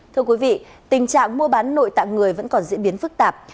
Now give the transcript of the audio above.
thưa quý vị tình trạng mua bán nội tạng người vẫn còn diễn biến phức tạp